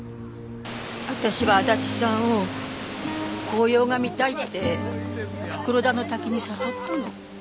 私は足立さんを紅葉が見たいって袋田の滝に誘ったの。